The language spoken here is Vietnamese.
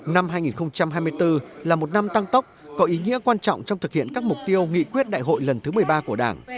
năm hai nghìn hai mươi bốn là một năm tăng tốc có ý nghĩa quan trọng trong thực hiện các mục tiêu nghị quyết đại hội lần thứ một mươi ba của đảng